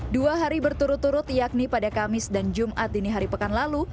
dua hari berturut turut yakni pada kamis dan jumat dini hari pekan lalu